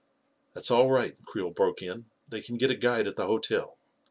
." "That's all right," Creel broke in. "They can get a guide at the hotel.